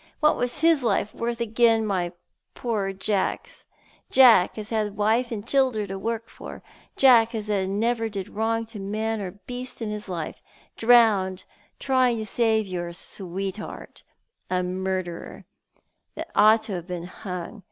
What was his life worth agen my poor Jack's — Jack as had wife and childer to work for — Jack as never did wrong to man or beast in his life — drownded trying to save your sweetheart— a murderer — that ought to have been hung?